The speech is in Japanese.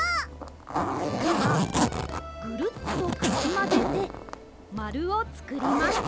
つぎはぐるっとかきまぜてまるをつくります。